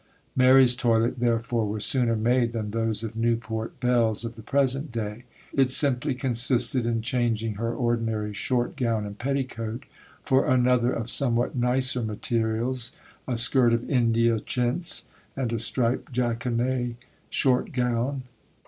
Mary's toilet, therefore, was sooner made than those of Newport belles of the present day; it simply consisted in changing her ordinary 'short gown and petticoat' for another of somewhat nicer materials, a skirt of India chintz and a striped jaconet short gown.